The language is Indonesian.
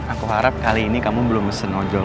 aku harap kali ini kamu belum bisa nojol